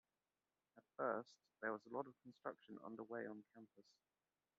At first, there was a lot of construction underway on campus.